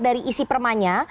dari isi perma nya